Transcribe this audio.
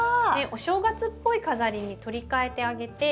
お正月っぽい飾りに取り替えてあげて。